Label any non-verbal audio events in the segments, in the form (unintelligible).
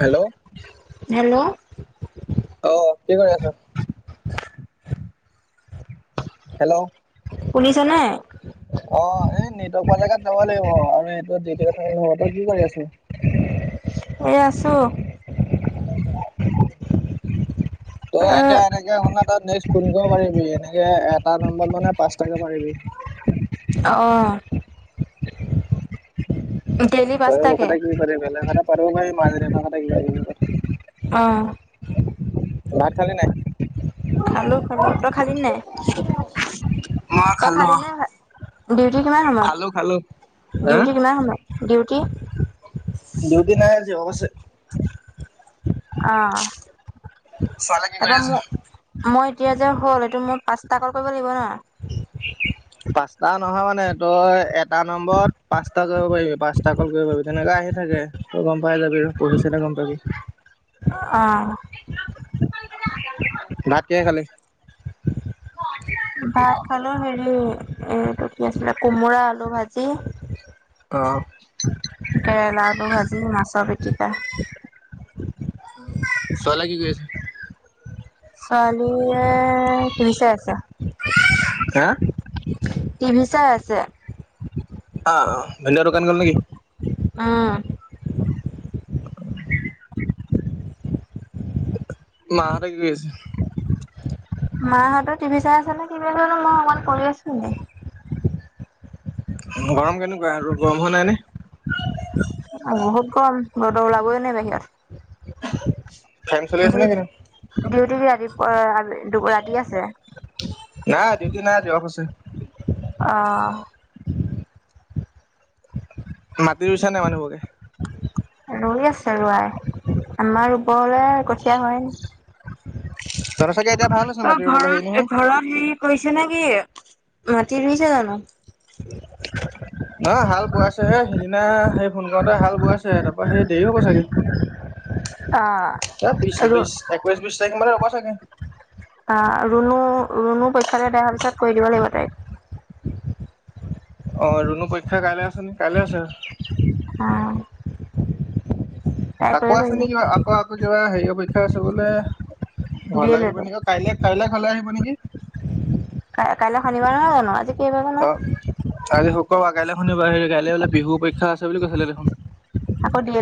Hello. Hello. অ কি কৰি আছা? হেল্ল'? শুনিছা নে? অ এ নিটক পোৱা জেগাত যাব লাগিব আৰু সেইটো যি তি কথা নহব তই কি কৰি আছ? এ আছোঁ। ত' এতিয়া এনেকে শুনাত। নেক্স ফোন কৰিব পাৰিবি এনেকে এটা নম্বৰত মানে পাঁচটাকে পাৰিবি। অ ডেইলি তই মোৰ পাঁচটাকে। কথা কি পাতিবি বেলেগ কথা পাতিব মা দেউতাৰ কিবা কিবি কথা। অহ ভাত খালে নাই? খালোঁ খালোঁ। তই খালি নাই? মই তই খালো খালি অ নাই ভখত? ডিউটি কিমান সময়ত? খালো খালো হা ডিউটি কিমান সময়ত ডিউটি? দিউতি নাই আজি অফ আছে। অ ছোৱালীয়ে কি কৰি তাৰপৰা আছে মই মই। টি হাজাৰ হ'ল এইটো মই পাঁচটা কল কৰিব লাগিব ন। পাঁচটা নহয় মানে তই এটা নম্বৰত পাঁচটা কৰিব পাৰিবি পাঁচটা। কল কৰিব পাৰিবি তেনেকে আহি থাকে তই গম পাই যাবি ৰ পঢ়ি চালে গম পাবি। অ', ভাত কিহে খালি? ভাত খালো হেৰি এইটো কি আছিলে কোমোৰা আলু ভাজি। অ কেৰেলা আলু ভাজি মাছৰ পিটিকা। চলা কি কৰি আছে? ছোৱালীয়ে তিভি চাই আছে। হা! টিভি চাই আছে। অ ভেন্দেউ দোকান গ'ল নেকি? উম। (inaudible) মাহঁতে কি কৰি আছে? মাহঁতৰ টিভি চাই আছে নে কি বুলি হলো মই অকণমান কৰি আছো দেই? গৰম কেনেকুৱা গৰম হোৱা নাই নেকি? অ বহুত কম ঘৰতো ওলাবই নেলাগে আউ। ফেন চলি আছে নে ডিউ- কেনে? ডিউটি ৰাতি আ দু ৰাতি আছে। নাই ডিউটি নাই আজি অফ আছে। অঁ। মাটি ৰুইছা নাই মানুহবোৰে? ৰৈ আছে ৰোৱাই, আমাৰ ওপৰলৈ কঠীয়া হয়। তহঁতৰ চাগে এতিয়া ভাল হৈছে তই মাটি ৰুবলৈ হেৰি ঘৰত নহয় ঘৰত হেৰি কৰিছে নে কি? মাটি ৰুইছে জানো। অ হাল বোৱাইছে হে সিদিনা সেই ফোন কৰতে হাল বোৱাইছে, তাৰপা সেই দেৰি হ'ব চাগে। অ' এ বিশ- ৰু বিশ একৈশ বিশ তাৰিখ মানে ৰব চাগে। আ ৰুণু ৰুণু পৰিক্ষাতে দেহাৰ পিছত কৰি দিব লাগিব তাই। অ ৰুণু পৰীক্ষা কাইলৈ আছে নেকি? কাইলৈ আছে? হা। আকৌ আছে নে কিবা আকৌ আকৌ কিবা হেৰি অপেক্ষা আছে বোলে? ঘাল দিয়ে লৈ আহিব যাব। নেকি অ কাইলে কাইলে ঘালে আহিব নেকি? কা -কাইলৈ শনিবাৰ নহয় জানো আজি কেই বাৰ জানো। অ, আজি শুক্ৰবাৰ, কাইলৈ শনিবাৰ হেৰি কাইলৈ বোলে বিহু পৰীক্ষা আছে বুলি কৈছিলে দেখোন। আকৌ ডি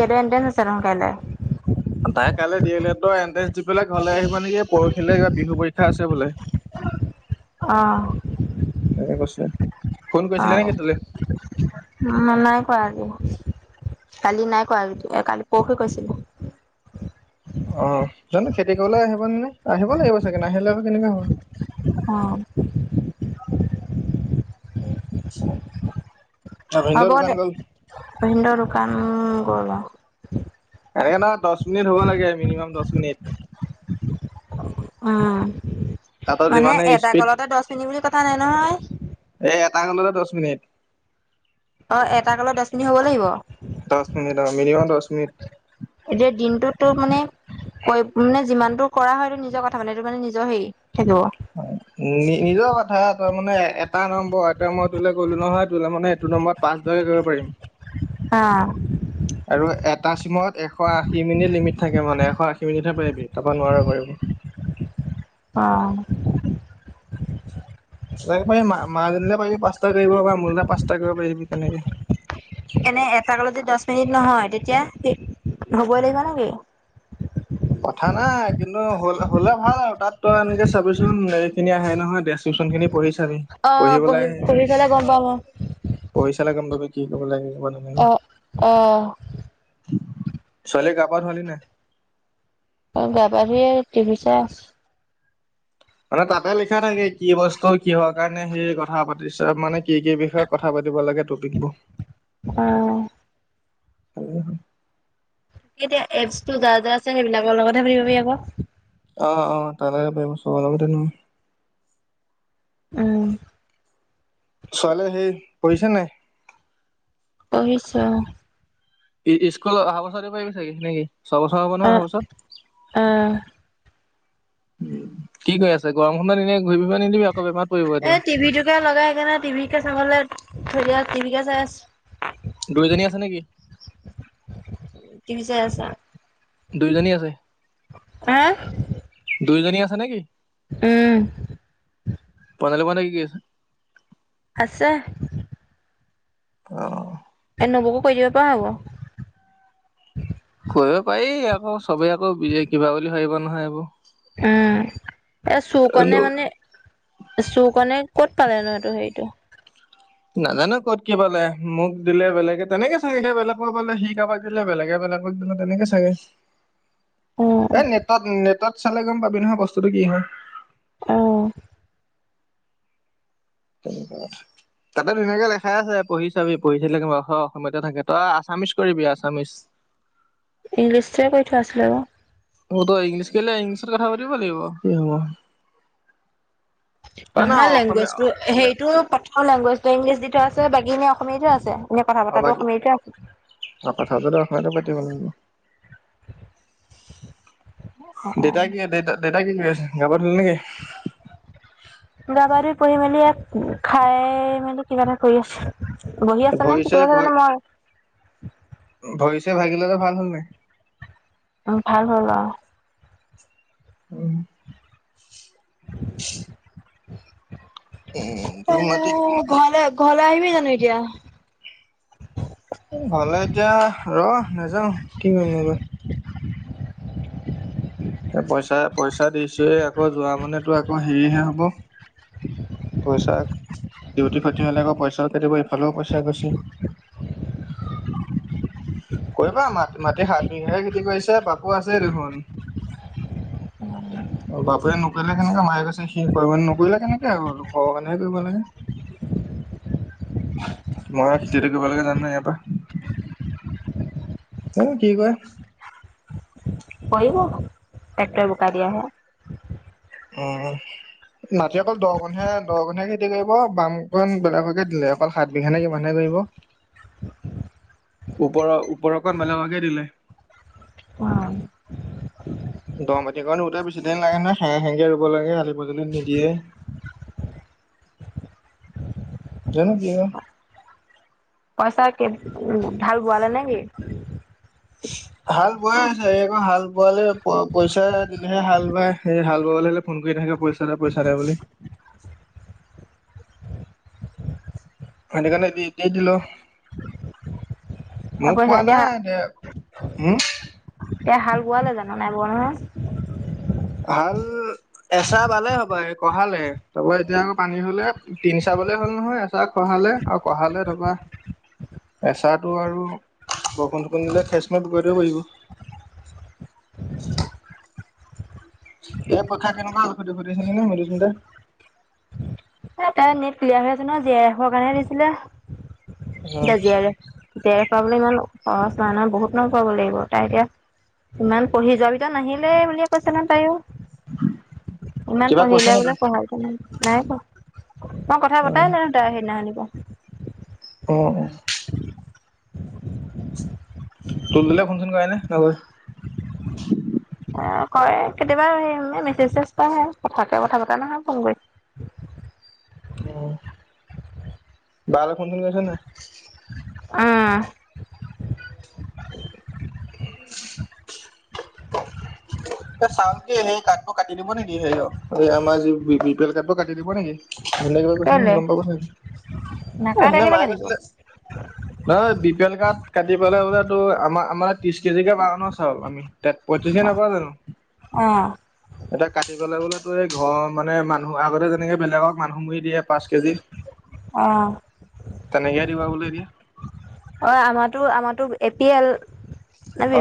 এ এড এণ্ট আছে কাইলে তাই কাইলৈ ডি এল এ তৰ এন্ট্ৰেন্ঞ্চ দি পেলাই ঘৰলে আহিবা নেকি পৰহিলৈ কিব বিহু পৰীক্ষা আছে। বোলে আহ এনেকে কৈছে ফোন কৰিছিলে নেকি তোলে? অ নাই কৱা একো কালি নাই কোৱা, কালি পৰখি কৈছিলো। অ, জানো খেতি কৰিবলে আহিব ন নে আহিব লাগিব চাগে ন আহিলে আকৌ কেনেকা হ'ব? অ। ভিনদেউ হ'ব দোকান দে গ'ল ভিন্দৰ দোকান গ'ল। শুনেত উম, তাহাঁতৰ মানে যিমানে এটা স্পীড কলতে দশ মিনিট বুলি কথা নাই নহয়। এ এটা হলে দশ মিনিট। অ এটা কালত দশ মিনিট হব লাগিব। দহ মিনিট অ' মিনিমাম দহ মিনিট। এতিয়া দিনটোটোত মানে কৈ মানে যিমানটো কৰা হয়টো নিজৰ কথা মানে এইটো মানে নিজৰ হেৰি থাকিব। নি নিজৰ কথা তাৰ মানে এটা নম্বৰ এয়া মই তোলে ক'লো নহয়, তোলে মানে এইটো নম্বৰত পাঁচ জনকে কৰিব পাৰিম। অ। আৰু এটা চিমত এশ আশী মিনিট লিমিট থাকে মানে এশ আশী মিনিটহে পা বি তাৰপৰা নোৱাৰ পাৰিব। অ। (unintelligible) তাক পাৰি মা মাজনী পাৰিবি পাঁচটা কৰিব বা মোৰনা পাঁচটা কৰিব পাৰিবি তেনেকে। এনে এটা কলত যদি দহ মিনিট নহয় তেতিয়া হ'বই লাগিব নেকি? কথা নাই কিন্তু হল হলে ভাল আৰু তাত তই এনেকে চাবিচোন হেৰি খিনি আহে নহয় দে খিনি পঢ়িছাবি অ পঢ়ি পঢ়িপেলাই পঢ়ি চালে গম পাম অ। পঢ়িছালে গম পাবি কি কব লাগে। অ ছোৱালীয়ে গা পা ধুলি নাই? গা পা ধুইয়ে টিভি চাই আছো। মানে তাতে লিখা থাকে কি বস্তু কিহৰ কাৰণে সেই কথা পাতিছ মানে কি কি বিষয়ে কথা পাতিব লাগে টপিকবোৰ অ উ এতিয়া এপটো যা যা আছে সেইবিলাকৰ লগতহে পাতিব পাবি আকৌ অ অ তাৰলগতে পাৰি চবৰ লগতে নোৱাৰি। আহ ছোৱালী সেই পঢ়িছে নাই? পঢ়িছে অ ই স্কুল অহা বছৰিব পাৰিবি চাগে নেকি ছবছৰ হব অ নহয় অহা বছত অ। উ কি ক আছে গৰম খনত এনে ঘূৰি ফুৰিব নিদিবি আকৌ বেমাৰত পৰিব এ এতিয়া টিভি টোকে লগাই সেইকাৰণে টিভিকে চাবলে ধৰি তিভিকে চাই আছো দুয়জনী আছে নেকি? টিভি চাই আছে দুইজনী আছে দুইজনী আছে নেকি? উম বনাল ম নে কি কৰি আছে আছে অ এ নোবকো কৈ দিব প হব অ চবেই আকৌ বি কিবা বুলি ভাবিব নহয় এইবৌ আহ এ চুকণে মানে চুকণে কত পালে ন এইটো হেৰিটো নাজানো কত কি পালে মোক দিলে বেলেগে তেনেকে চাগে বেলেগক পালে সি কাবাক দিলে বেলেগে বেলেগ এফালে আকৌ দিলে তেনেকেই চাগে অ এই নেটত নেটত চালে গম পাবি নহয় বস্তুটো কি হয়। অহ সেইটোৱে তাতে ধুনীয়াকে লেখাই আছে পঢ়ি চাবি পঢ়িছিলে অসমীয়াতে থাকে তই আছামিছ কৰিবি আচামিচ (inaudible) ইংলিছে কৈ থোৱা আছিলে বাও অ ত ইংলিছ কইলে ইংলিছত কথা পাতিব লাগিব কি হ'ব অ না নহয় অসমীয়া লেংগুৱেজ টো সেইটো প্ৰথম লেংগুৱেজটো ইংলিজ দি থোৱা আছে বাকীখিনি অসমীয়াতে আছে এনে কথা অ পতাতো বাকী অসমীয়াতে কথা আছে যদি অসমীয়াতে পাতিব লাগিব অ দেউতাই কি দেতা দেউতাই কি কৰি আছে গা পা ধুলে নেকি? গা পা ধুই পঢ়ি মেলি ইয়াক খাই মেলি কিবা এটা কৰি আছে। বহি আছে নে ভৰি কি কৰি চৰি আছে জানো ভৰি মই তে ভাগিনকা ভাল হল নাই উ ভাল হ'ল অ উম উম তোক মাতি আহ ঘৰলে ঘৰলে আহিবি জানো এতিয়া ভালে এতিয়া ৰ নেযাওঁ কি কৰিমগৈ এ পইচা পইচা দিছো এ আকৌ যোৱা মানেতো আকৌ হেৰিহে হব পইচা ডিউটি খতি হলে আকৌ পইচাও কাতিব ইফালেও পইচা গৈছে (unintelligible) কৰিবা মা মাটি সাত বিঘাই খেতি কৰিছে বাপু আছে দেখোন বাপুৰে নকৰিলে কেনেকে মায়ে কৈছে সি কৰিব নে নকৰে নকৰিলে কেনেকে হব ঘৰৰ কাৰণেহে কৰিব লাগে (inaudible) মই খেতিটো কৰিবলেকে যাম নে ইয়াৰ পৰা যানো কি কয়। কৰিব ট্ৰেক্টৰে বোকা দিয়াহে অ মাটি অকল দ কনহে দহ কনকে দিলে ক বামকণ বেলেগকে দিলে অকল সাত বিঘানে কিমানহে কৰি ব ওপৰৰ ওপৰকণ বেলেগকে দিলে। অ দ মাটি কন ৰুওতে বেছিদিন লাগে নহয় হেৰেঙা হেৰেঙাকে ৰুব লাগে আলি পজলি নিদিয়ে (inaudible) জানো কি হয়। পইচা কে হাল বোৱালা নে কি হাল বোৱাই হৈছে এই আকৌ হাল বোৱালে পইচা হে হাল বাই সেই হাল বাবলৈ হলে ফোন কৰি থাকে পইচা নাই পইচা নাই বুলি এনে কণে দি তি দিলো মোক পইচা কোৱা এতিয়া নাই উম এতিয়া হাল বোৱালে জানো নাই বোৱা নহয়। হাল এচাহ বালে হ'পাই কঢ়ালে তাপা এতিয়া আকৌ পানী হলে তিনচাহ কবলে ভাল নহয় এচাহ কঢ়ালে আৰু কঢ়ালে তাপা এচাটো আৰু বৰষুণ চকুন দিলে ফেচ মেচ কৰিব থব লাগিব (inaudible) এই পইখা কেনকা হল সুধিব দিছিলো নহয় মধুস্মিতা এটা নেট ক্লিয়াৰ হৈ আছে ন জি আইফৰ কাৰণহে দিছিলে অ এতিয়া G R F G R F পাবলৈ ইমান সহজ নহয় নহয় বহুত মান পোৱাব লাগিব তাই এতিয়া ইমান পঢ়ি যোৱাকিতা নাহিলে বুলিয়ে কৈছে নহয় তাইয়ো ইমান কিবা কৈছে পঢ়িলে নেকি বোলে পঢ়াইছে নে নাই পঢ়া মই কথা অ পতাই নাই তই সেইদিনা খনিপা অ তোল তোলে ফোন চোন কৰেনে। কয় কেতিয়াবা হে মেছেজ সেছেজেছ কথাকে কথা পতা নহয় ফোন কৰিলে অ বা লে ফোন চোন কৰিছ নাই। অ (unintelligible) এ চাও দে সেই কাৰ্ডটো কাটি দিব নেকি সেই আমাৰি বি পি এল কাৰটো কাটি দিব নেকি বেলেগ কিবা কৈছে ন কেলে গম পাবৈছে ন এ নাকাটে সেইদিনা কেলে মায়ে কাটিব কৈছিলে নহয় বি পি এল কাৰ্ড কাটি পেলাই বোলে। টো আমাৰ আমাৰ ত্ৰিশ কেজি কে বাগানৰ চাওল আমি তাত পইতেকে নাপাও জানো অ এয়া কাটিবলে বোলেতো এই ঘৰ মানে মানুহ আগতে যেনেকে বেলেগক মানুহ মুৰি দিয়ে পাঁচ কেজি অ তেনেকে দিব বোলে এতিয়া অ আমাটো আমাটো এপি এল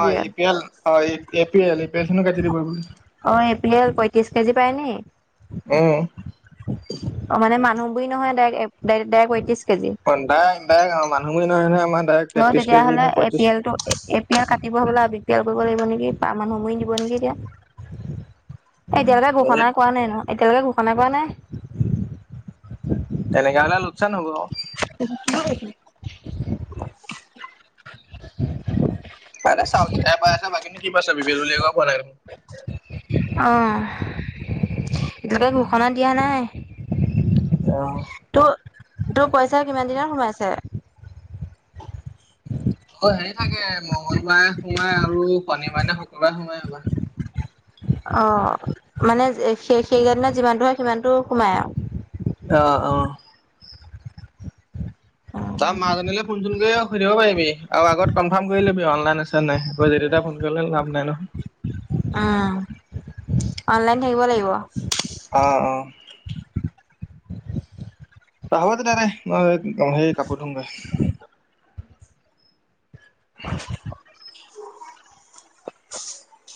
অ এ পি এল অ A P L A P L খনো কাতি দিব অ এ পি এল পয়ত্ৰিশ কেজি পায় নি অ অ মানে মানুহবোৰি নহয় ডাৰেক ডৰেক্ট অ দাইক দাইক মানুহবোই নহয় নহয় আমাৰ ডাইৰেক্ট অ তেত্ৰিশ কেজি তেতিয়াহ'লে নে এ পি পঁয়ত্ৰিশ এল টো এ পি এল কাটিব হবলা খিয়াল কৰিব লাগিব নেকি মানুহ ময় দিব নেকি এতিয়া এতিয়ালৈকে এনে ঘোষণা কৰা নাই ন এতিয়ালৈকে ঘোষণা কৰা নাই তেনেকা হলে লোকচান হ'ব কি (inaudible) (unintelligible) তাতে চাউলকিটাই পাই আছে বাকী নো কি পাইছে বি পি এল বোলি একো পোৱা নাই দেখোন অ এতিয়ালগে ঘোষণা দিয়া নাই অ তোৰ তোৰ পইচা কিমান দিনত সোমাইছে অ হেৰি থাকে মঙ্গলবাৰে সোমাই আৰু শনিবাৰনে শুকোবাই সোমাই আমাৰ অ মানে সেই সেইকেইদিনত যিমানটো হয় সিমানটো সোমাই আও অ অ তই মাজনিলে ফোন চোন কৰি অ সুধিব পাৰিবি আৰু আগত কনফাৰ্ম কৰি লবি অনলাইন আছে নাই যেতিয়া তেতিয়া ফোন কৰিলে লাভ নাই ন অ অনলাইন থাকিব লাগিব অ অ বা হব তিতিয়া দে মই সেই কাপোৰ ধুগে (unintelligible) (unintelligible)